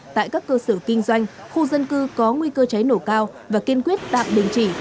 tại các cơ sở kinh doanh khu dân cư có nguy cơ cháy nổ cao và kiên quyết tạm đình chỉ